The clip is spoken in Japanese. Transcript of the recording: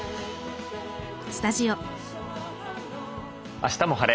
「あしたも晴れ！